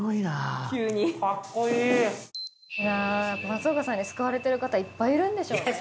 松岡さんに救われてる方いっぱいいるんでしょうね。